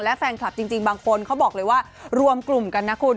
และแฟนคลับจริงบางคนเขาบอกเลยว่ารวมกลุ่มกันนะคุณ